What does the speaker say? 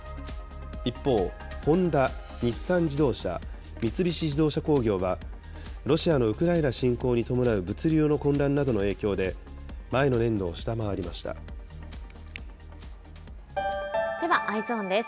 一方、ホンダ、日産自動車、三菱自動車工業は、ロシアのウクライナ侵攻に伴う物流の混乱などの影響で、前の年度では、Ｅｙｅｓｏｎです。